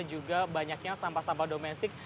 juga banyaknya sampah sampah domestik